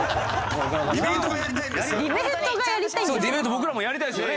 僕らもやりたいですよね？